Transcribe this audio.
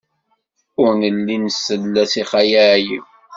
Ur nelli nsell-as i Xali Ɛli.